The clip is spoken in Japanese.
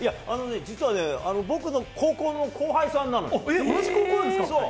実は僕の高校の後輩さんなのよ。